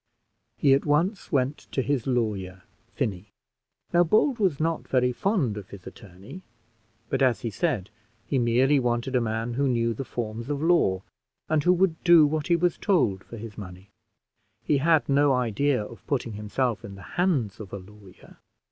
He at once went to his lawyer, Finney. Now, Bold was not very fond of his attorney, but, as he said, he merely wanted a man who knew the forms of law, and who would do what he was told for his money. He had no idea of putting himself in the hands of a lawyer.